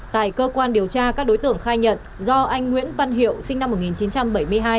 tại cơ quan điều tra các đối tượng khai nhận do anh nguyễn văn hiệu sinh năm một nghìn chín trăm bảy mươi hai